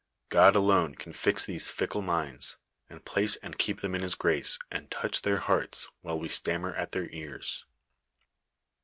God alone can fix these fickle minds, and place and keep them in his grace, and touch their hearts while we stammer at their ears.